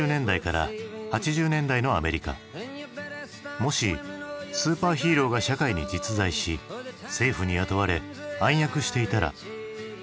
もしスーパーヒーローが社会に実在し政府に雇われ暗躍していたらと仮定した物語。